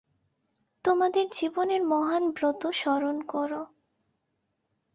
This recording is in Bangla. তোমাদের জীবনের মহান ব্রত স্মরণ কর।